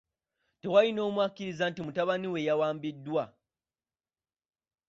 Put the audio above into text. Tewali n'omu akkiriza nti mutabani we yawambiddwa.